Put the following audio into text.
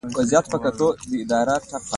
زه به ورشم هغه پاتې شوي شیان به راټول کړم.